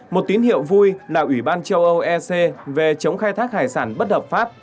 một tín hiệu vui là ủy ban châu âu ec về chống khai thác hải sản bất hợp pháp